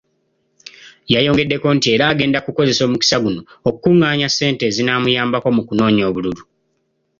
Yayongeddeko nti era agenda kukozesa omukisa guno okukunganya ssente ezinaamuyambako mu kunoonya obululu.